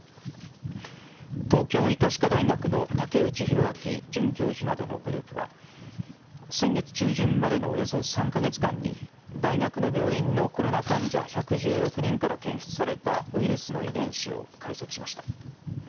東京医科歯科大学の武内寛明准教授などのグループは先月中旬までのおよそ３か月間に大学の病院のコロナ患者１１６人から検出されたウイルスの遺伝子を解析しました。